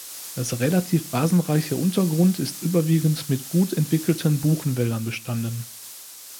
Das relativ basenreiche Untergrund ist überwiegend mit gut entwickelten Buchenwäldern bestanden.